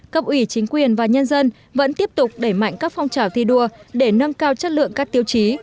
cấp ủy chính quyền và nhân dân vẫn tiếp tục đẩy mạnh các phong trào thi đua để nâng cao chất lượng các tiêu chí